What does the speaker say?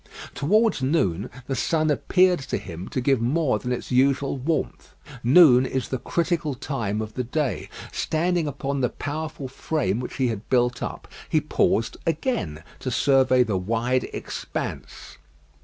Towards noon the sun appeared to him to give more than its usual warmth. Noon is the critical time of the day. Standing upon the powerful frame which he had built up, he paused again to survey the wide expanse.